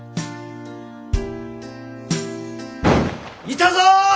いたぞ！